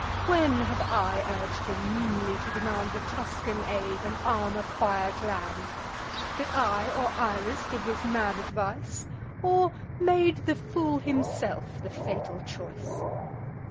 When have I urg'd him meanly to demand The Tuscan aid, and arm a quiet land? Did I or Iris give this mad advice, Or made the fool himself the fatal choice?